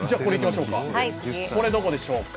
これ、どこでしょうか？